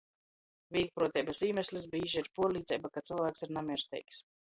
Vīglpruoteibys īmeslis bīži ir puorlīceiba, ka cylvāks ir namiersteigs.